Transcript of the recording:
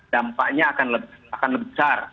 dampaknya akan lebih besar